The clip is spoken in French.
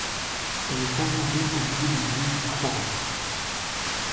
Elle est conservée au musée du Louvre, à Paris.